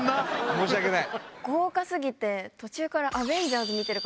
申し訳ない。